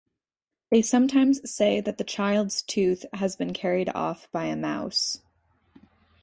They sometimes say that the child's tooth has been carried off by a mouse.